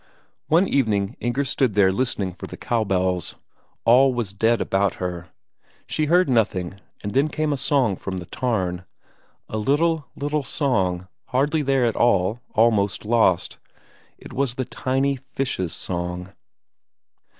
One evening Inger stood there listening for the cowbells; all was dead about her, she heard nothing, and then came a song from the tarn. A little, little song, hardly there at all, almost lost. It was the tiny fishes' song.